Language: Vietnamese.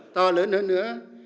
to lớn hơn nữa